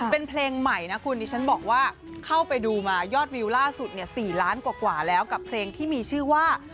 เป็นเพลงใหม่นะคุณดิฉันบอกว่าเข้าไปดูมายอดวิวล่าสุดเนี่ย๔ล้านกว่าแล้วกับเพลงที่มีชื่อว่า